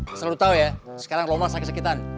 terserah lo tau ya sekarang romla sakit sakitan